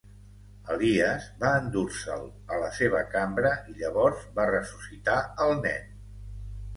Elies va endur-se'l a la seva cambra i llavors va ressuscitar el nen.